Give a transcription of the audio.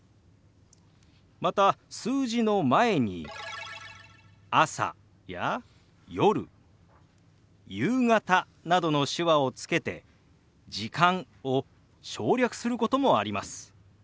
また数字の前に「朝」や「夜」「夕方」などの手話をつけて「時間」を省略することもあります。